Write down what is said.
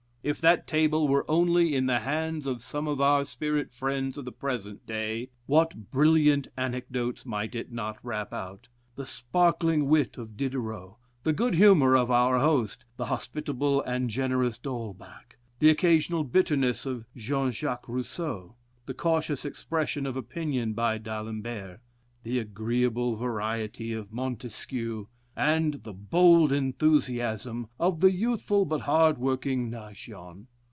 If that table were only in the hands of some of our spirit friends of the present day, what brilliant anecdotes might it not rap out the sparkling wit of Diderot, the good humor of out host, the hospitable and generous D'Holbach, the occasional bitterness of Jean Jacques Rousseau, the cautious expression of opinion by D'Alembert, the agreeable variety of Montesquieu, and the bold enthusiasm of the youthful but hardworking Naigeon!